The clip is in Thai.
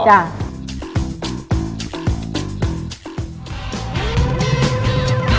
ใช่